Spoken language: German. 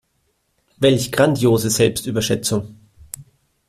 Welch grandiose Selbstüberschätzung.